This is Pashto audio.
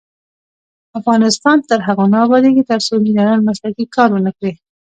افغانستان تر هغو نه ابادیږي، ترڅو انجنیران مسلکي کار ونکړي.